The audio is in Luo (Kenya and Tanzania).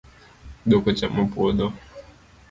Dhok ochamo puodho